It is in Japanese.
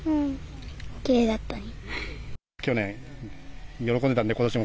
きれいだったね。